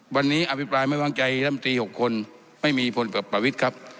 วันนี้อภิปรายไม่วางใจลำตี๖คนไม่มีผลกับประวิทย์ครับ